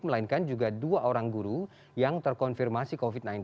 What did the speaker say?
melainkan juga dua orang guru yang terkonfirmasi covid sembilan belas